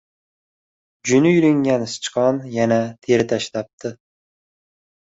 • Juni yulingan sichqon yana teri tashlabdi.